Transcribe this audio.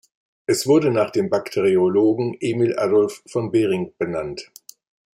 Es wurde nach dem Bakteriologen Emil Adolf von Behring benannt.